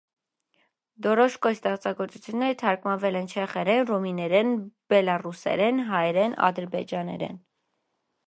Դորոշկոյի ստեղծագործությունները թարգմանվել են չեխերեն, ռումիներեն, բելառուսերեն, հայերեն, ադրբեջաներեն։